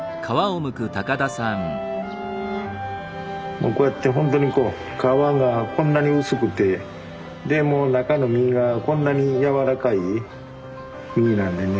もうこうやってほんとにこう皮がこんなに薄くてでもう中の身がこんなに柔らかい実なんでね。